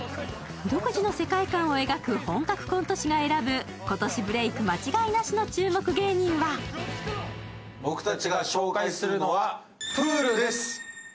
独自の世界観を描く本格コント師が選ぶ今年ブレーク間違いなしの注目芸人は僕たちが紹介するのはプールです。